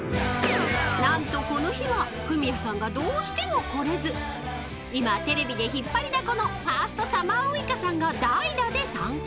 ［何とこの日はフミヤさんがどうしても来れず今テレビで引っ張りだこのファーストサマーウイカさんが代打で参加］